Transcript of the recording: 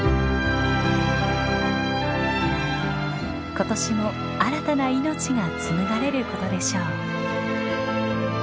今年も新たな命が紡がれることでしょう。